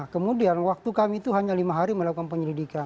kemudian waktu kami itu hanya lima hari melakukan penyelidikan